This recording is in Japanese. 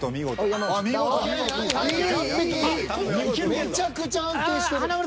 めちゃくちゃ安定してる。